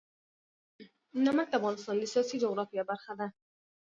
نمک د افغانستان د سیاسي جغرافیه برخه ده.